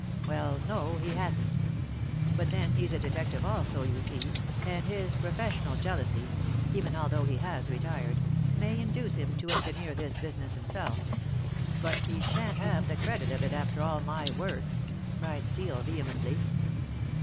"Well, no, he hasn't. But then, he's a detective also, you see, and his professional jealousy, even although he has retired, may induce him to engineer this business himself. But he shan't have the credit of it after all my work," cried Steel vehemently.